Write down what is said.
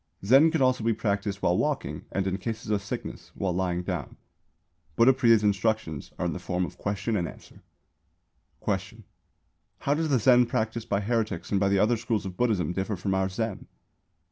Zen could also be practised while walking and, in cases of sickness, while lying down. Buddhapriya's instructions are in the form of question and answer. Question. How does the Zen practised by heretics and by the other schools of Buddhism differ from our Zen?